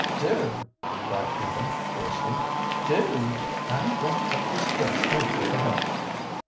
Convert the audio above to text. "Do?" cried Eva, fiercely "do? I'm goin' to cut this dress over for her."